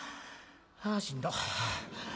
あしんど。